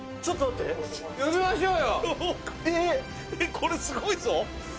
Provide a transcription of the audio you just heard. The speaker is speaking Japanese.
「これすごいぞ！」